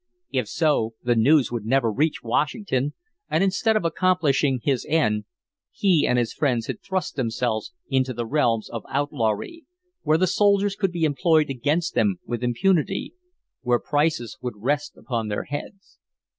If so, the news would never reach Washington, and instead of accomplishing his end, he and his friends had thrust themselves into the realms of outlawry, where the soldiers could be employed against them with impunity, where prices would rest upon their heads.